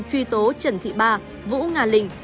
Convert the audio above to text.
truy tố trần thị ba vũ nga linh